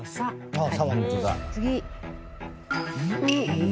ああ！